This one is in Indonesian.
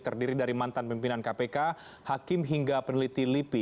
terdiri dari mantan pimpinan kpk hakim hingga peneliti lipi